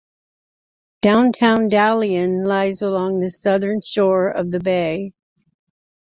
Downtown Dalian lies along the southern shore of the bay.